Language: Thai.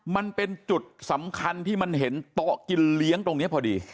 มันเป็นจุดสำคัญที่มันเห็นโต๊ะกินเลี้ยงตรงนี้พอดี